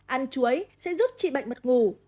ăn chuối sẽ giúp trị bệnh mất ngủ